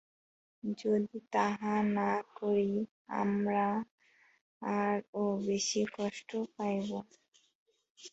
যদি তাহা না করি, আমরা আরও বেশী কষ্ট পাইব।